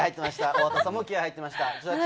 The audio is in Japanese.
大畑さんも気合い入ってました。